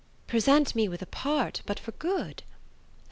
"Present me with a part but for good."